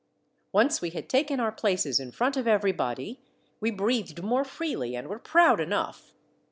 Once we had taken our places in front of everybody, we breathed more freely, and were proud enough.